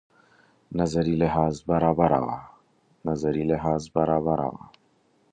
نظري لحاظ برابره وه.